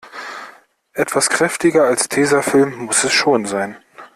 Etwas kräftiger als Tesafilm muss es schon sein.